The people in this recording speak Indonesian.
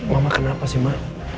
mama kenapa sih ma